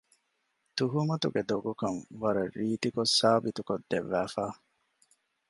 ތުހުމަތުގެ ދޮގުކަން ވަރަށް ރީތިކޮށް ސާބިތުކޮށް ދެއްވައިފަ